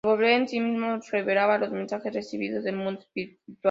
Al volver en sí mismo, revelaba los mensajes recibidos del mundo espiritual.